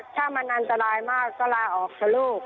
ถ้ามันอันตรายมาก